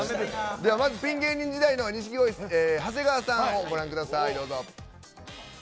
ではまずピン芸人時代の錦鯉・長谷川さんをご覧ください、どうぞ。